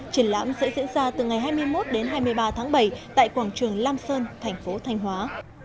triển lãm sẽ diễn ra từ ngày hai mươi một đến hai mươi ba tháng bảy tại quảng trường lam sơn thành phố thanh hóa